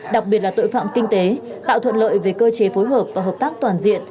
đặc biệt là tội phạm kinh tế tạo thuận lợi về cơ chế phối hợp và hợp tác toàn diện